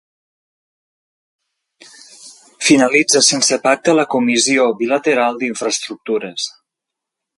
Finalitza sense pacte la comissió bilateral d'infraestructures